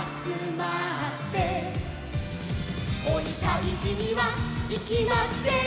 「おにたいじにはいきません」